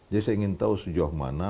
saya ingin tahu sejauh mana